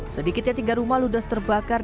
sedikitnya tiga rumah ludes terbakar